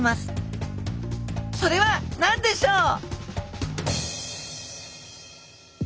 それは何でしょう？